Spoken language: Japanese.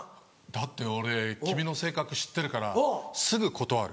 だって俺君の性格知ってるからすぐ断る。